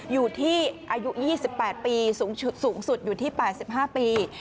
อยู่ที่อายุ๒๘ปีสูงสุดอยู่ที่๘๕ปี